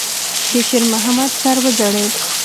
د شېرمحمد سر وځړېد.